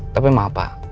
tapi maaf pak